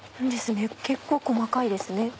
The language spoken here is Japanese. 結構細かいですね。